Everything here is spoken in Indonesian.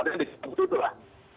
jadi itu lah